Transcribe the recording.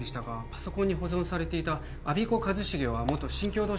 パソコンに保存されていた我孫子和重は元新京堂